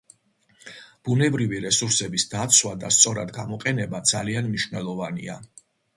ბუნებრივი რესურსების დაცვა და სწორად გამოყენება ძალიან მნიშვნელოვანია.